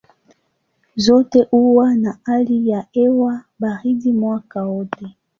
Zote huwa na hali ya hewa baridi mwaka wote.